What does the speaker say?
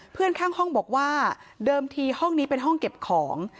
เพื่อนข้างห้องบอกว่าเดิมทีห้องนี้เป็นห้องเก็บของ